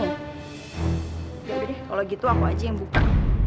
udah deh kalau gitu aku aja yang buka